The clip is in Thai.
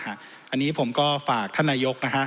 อันนี้ผมก็ฝากท่านนายก